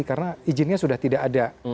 karena izinnya sudah tidak ada